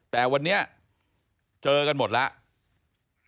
แต่วันนี้เจอกันหมดแล้ว